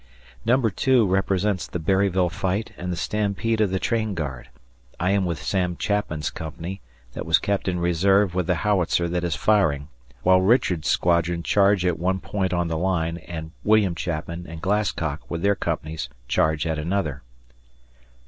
Number 2 represents the Berryville fight and the stampede of the train guard. I am with Sam Chapman's company that was kept in reserve with the howitzer that is firing while Richards's squadron charge at one point on the line and William Chapman and Glasscock with their companies charge at another.